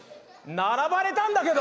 並ばれたんだけど！